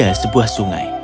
ada sebuah sungai